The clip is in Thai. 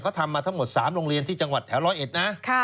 เขาทำมาทั้งหมด๓โรงเรียนที่จังหวัดแถว๑๐๑นะ